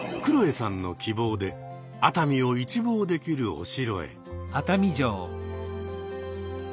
さんの希望で熱海を一望できるお城へ。